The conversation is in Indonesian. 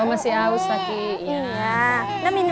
masih haus lagi